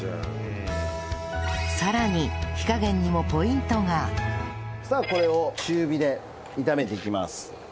さらにさあこれを中火で炒めていきます。